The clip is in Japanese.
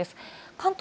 関東